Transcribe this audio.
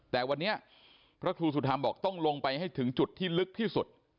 แต่วันนี้พระครูสุธรรมบอกต้องลงไปให้ถึงจุดที่ลึกที่สุด